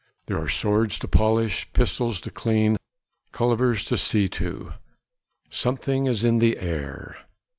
There are swords to polish, pistols to clean, cullivers to see to! Something is in the air!